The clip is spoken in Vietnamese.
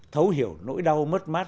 thấu hiểu nỗi đau mất mát